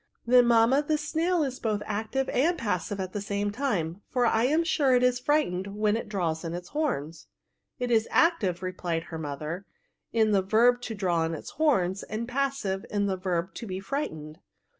^' Then, mamma, the snail is both active and passive at the same time ; for I am sure it is frightened when it draws in its horns." It is active," replied her mother, " in the verb to draw in its horns, and passive, in the verb to be frightened."